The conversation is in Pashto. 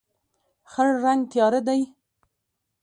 خړ رنګ تیاره دی.